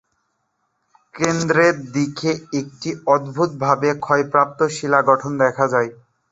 কেন্দ্রের দিকে একটি অদ্ভুতভাবে ক্ষয়প্রাপ্ত শিলা গঠন দেখা যায়।